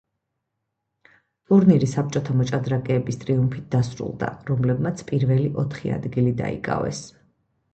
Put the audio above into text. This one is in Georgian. ტურნირი საბჭოთა მოჭადრაკეების ტრიუმფით დასრულდა, რომლებმაც პირველი ოთხი ადგილი დაიკავეს.